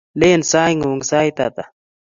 Len saing'ung' sait ata?